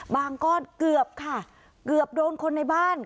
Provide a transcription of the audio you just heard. ก้อนเกือบค่ะเกือบโดนคนในบ้าน